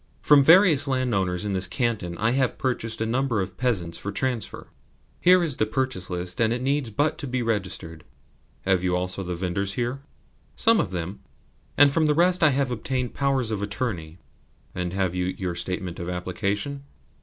From various landowners in this canton I have purchased a number of peasants for transfer. Here is the purchase list, and it needs but to be registered." "Have you also the vendors here?" "Some of them, and from the rest I have obtained powers of attorney." "And have you your statement of application?"